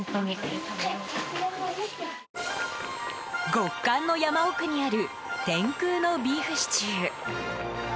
極寒の山奥にある天空のビーフシチュー。